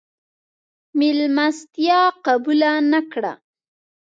مېلمستیا قبوله نه کړه.